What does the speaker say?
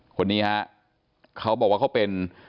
คนนี้ฮะเขาบอกว่าเขาเป็น